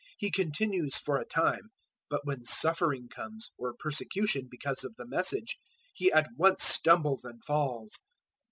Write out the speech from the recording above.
He continues for a time, but when suffering comes, or persecution, because of the Message, he at once stumbles and falls.